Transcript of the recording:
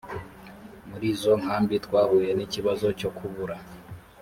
muri izo nkambi twahuye n ikibazo cyo kubura